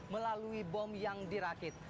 melalui bom yang dirakit